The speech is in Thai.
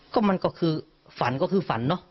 ก็มันก็คือฝันก็คือฝันเนอะ